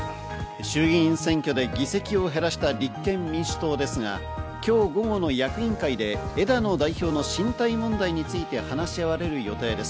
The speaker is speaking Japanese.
衆議院選挙で議席を減らした立憲民主党ですが、今日午後の役員会で枝野代表の進退問題について話し合われる予定です。